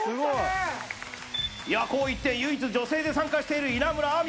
紅一点唯一女性で参加している稲村亜美